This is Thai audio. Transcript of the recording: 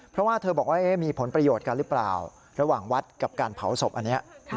เพราะว่าเธอบอกว่ามีผลประโยชน์กันหรือเปล่าระหว่างวัดกับการเผาศพอันนี้